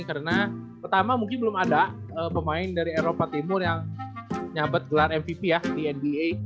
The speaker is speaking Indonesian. karena pertama mungkin belum ada pemain dari eropa timur yang nyabet gelar mvp ya di nba